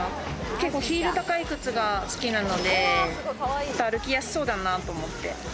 結構ヒール高い靴が好きなので、歩きやすそうだなと思って。